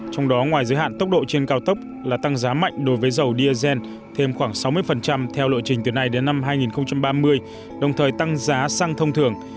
trong đó ngoài giới hạn tốc độ trên cao tốc là tăng giá mạnh đối với dầu diesel thêm khoảng sáu mươi theo lộ trình từ nay đến năm hai nghìn ba mươi đồng thời tăng giá sang thông thường